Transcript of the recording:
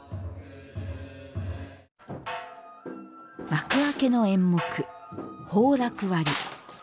幕開けの演目「炮烙割」。